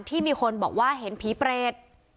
ที่มีคนบอกว่าเห็นผีเปรต